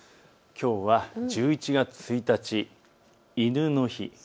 きょうは１１月１日、犬の日。